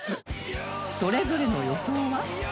それぞれの予想は？